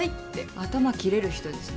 頭切れる人ですね。